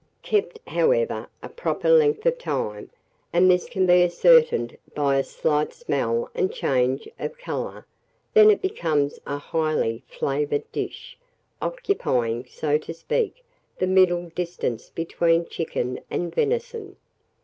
Kept, however, a proper length of time, and this can be ascertained by a slight smell and change of colour, then it becomes a highly, flavoured dish, occupying, so to speak, the middle distance between chicken and venison.